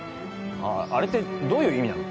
あれってどういう意味なの？